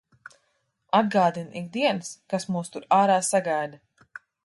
Atgādina ik dienas, kas mūs tur ārā sagaida.